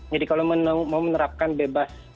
jadi kalau mau menerapkan bebas